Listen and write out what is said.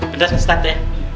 bentar saya start ya